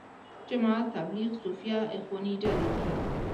جماعت تبلیغ، صوفیه، اخواني ډلې دي.